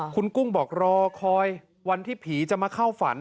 คุณกุ้งบอกรอคอยวันที่ผีจะมาเข้าฝัน